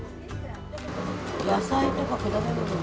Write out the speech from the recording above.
野菜とか果物とか。